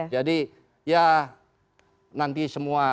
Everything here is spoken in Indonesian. jadi ya nanti semua